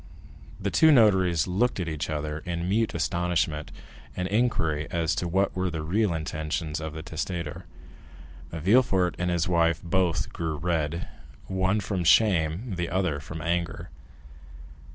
The two notaries looked at each other in mute astonishment and inquiry as to what were the real intentions of the testator. Villefort and his wife both grew red, one from shame, the other from anger.